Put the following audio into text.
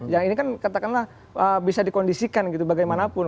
yang ini kan katakanlah bisa dikondisikan gitu bagaimanapun